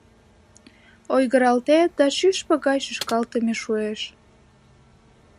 Ойгыралтет да шӱшпык гай шӱшкалтыме шуэш.